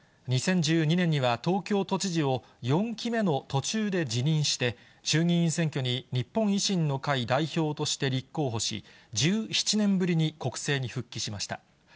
２０１２年には東京都知事を４期目の途中で辞任して、衆議院選挙に日本維新の会代表として立候補し、１７年ぶりに国政に復帰しました。